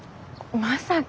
まさか。